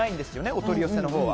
お取り寄せのほうは。